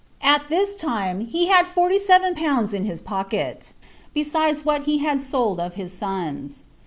At this time, he had forty seven pounds in his pocket, besides what he had sold of his son's.